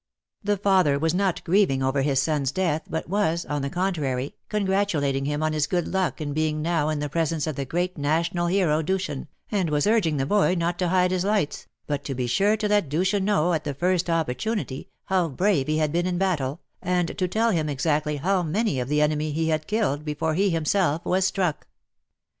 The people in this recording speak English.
The father was not grieving over his son's death, but was, on the contrary, congratulating him on his good luck in being now in the presence of the great national hero Dushan, and was urging the boy not to hide his lights, but to be sure to let Dushan know at the first opportunity how brave he had been in battle, and to tell him exactly how many of the enemy he had killed before he himself was struck.